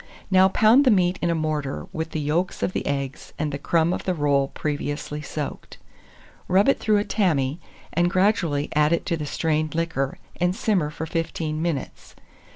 Now pound the meat in a mortar, with the yolks of the eggs, and the crumb of the roll previously soaked; rub it through a tammy, and gradually add it to the strained liquor, and simmer for 15 minutes.